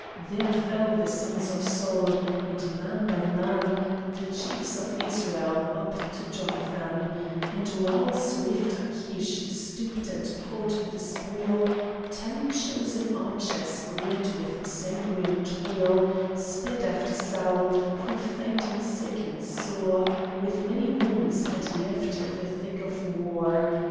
There fell the sons of Saul, and, man by man, The chiefs of Israel, up to Jonathan; And while swift Achish stooped and caught the spoil, Ten chosen archers, red with sanguine toil, Sped after Saul, who, faint and sick, and sore With many wounds, had left the thick of war.